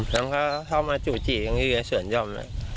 แล้วเขาชอบมาจู่จี่อย่างนี้เหลือเสือนจอม